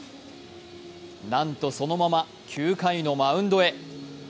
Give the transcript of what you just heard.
なんとそのまま９回のマウンドへ。